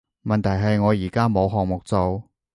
問題係我而家冇項目做